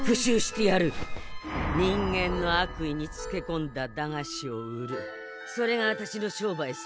人間の悪意につけこんだ駄菓子を売るそれがあたしの商売さ。